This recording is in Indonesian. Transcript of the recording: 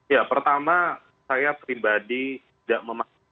ya pertama saya pribadi tidak memahami